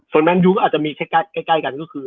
ส่วนที่ดูอาจจะมีใกล้กันก็คือ